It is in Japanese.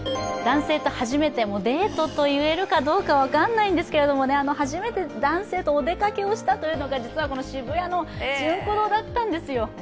デートと言えるかどうか分からないんですけど、初めて男性とお出かけしたというのが実はこの渋谷のジュンク堂だったんですよ。